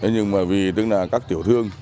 nhưng vì các tiểu thương